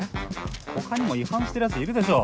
他にも違反してるヤツいるでしょ。